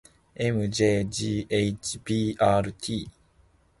ｍｊｇｈｂｒｔ